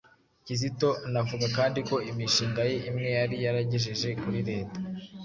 Kizito anavuga kandi ko imishinga ye imwe yari yaragejeje kuri leta